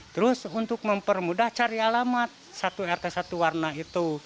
terus untuk mempermudah cari alamat satu rt satu warna itu